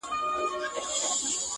د مېړنیو د سنګر مېنه ده؛